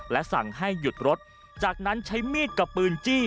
และสั่งให้หยุดรถจากนั้นใช้มีดกับปืนจี้